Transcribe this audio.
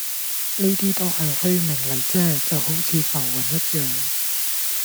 呢啲都係虛名嚟啫，就好似浮雲一樣